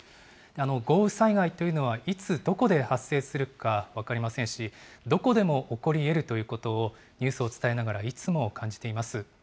豪雨災害というのは、いつ、どこで発生するか分かりませんし、どこでも起こりえるということを、ニュースを伝えながらいつも感じています。